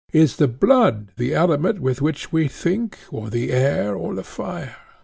Is the blood the element with which we think, or the air, or the fire?